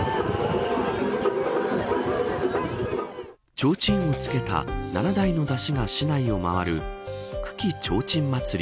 ちょうちんをつけた７台の山車が市内を回る久喜提灯祭り